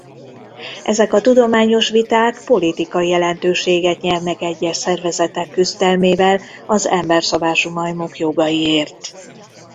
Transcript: Ezek a tudományos viták politikai jelentőséget nyernek egyes szervezetek küzdelmével az emberszabású majmok jogaiért.